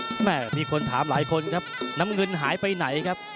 แม่มีคนถามหลายคนครับน้ำเงินหายไปไหนครับ